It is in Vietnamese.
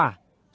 doanh nghiệp lùi